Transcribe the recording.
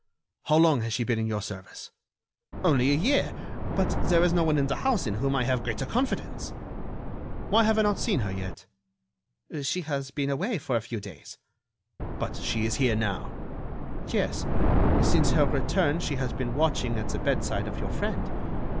"How long has she been in your service?" "Only a year, but there is no one in the house in whom I have greater confidence." "Why have I not seen her yet?" "She has been away for a few days." "But she is here now." "Yes; since her return she has been watching at the bedside of your friend.